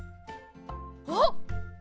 あっ！